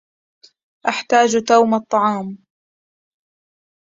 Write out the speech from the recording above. احتاج توم الطعام.